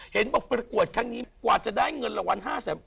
เห็นบอกประกวดครั้งนี้กว่าจะได้เงินรางวัล๕แสน